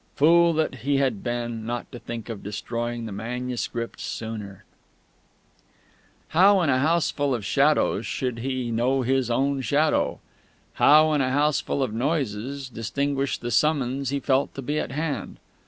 Fool that he had been, not to think of destroying the manuscript sooner!... How, in a houseful of shadows, should he know his own Shadow? How, in a houseful of noises, distinguish the summons he felt to be at hand?